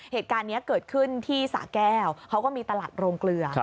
เหตุการณ์นี้เกิดขึ้นที่สะแก้วเขาก็มีตลาดโรงเกลือ